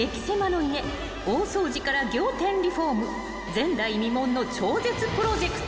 ［前代未聞の超絶プロジェクト］